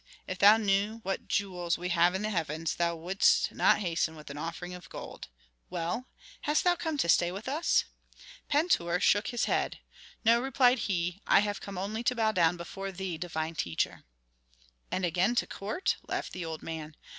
If thou knew what jewels we have in the heavens thou wouldst not hasten with an offering of gold. Well, hast thou come to stay with us?" Pentuer shook his head. "No," replied he, "I have come only to bow down before thee, divine teacher." "And again to court?" laughed the old man.